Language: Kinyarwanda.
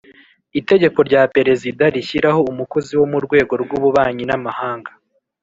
itegeko rya perezida rishyiraho umukozi wo mu rwego rw ububanyi n amahanga